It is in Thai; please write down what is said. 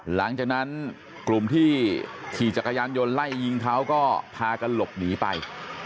หลังจากนั้นกลุ่มที่ขี่จักรยานยนต์ไล่ยิงเขาก็พากันหลบหนีไป